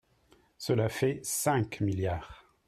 Cela fait cinq milliards